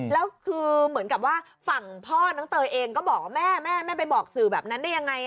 แล้วคือเหมือนกับว่าฝั่งพ่อน้องเตยเองก็บอกว่าแม่แม่ไปบอกสื่อแบบนั้นได้ยังไง